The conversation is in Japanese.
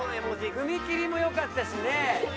踏み切りもよかったしね。